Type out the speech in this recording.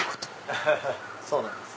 アハハそうなんです。